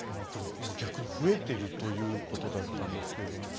逆に増えているということだったんですけれども。